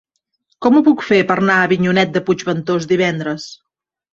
Com ho puc fer per anar a Avinyonet de Puigventós divendres?